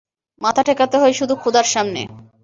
মাথা ঠেকাতে হয় শুধু খোদার সামনে।